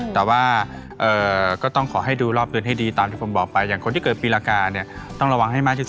แต่ว่าก็ต้องให้ดูรอบเงินให้ดีตามที่ผมบอกไป